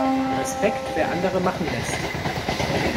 Respekt, wer andere machen lässt!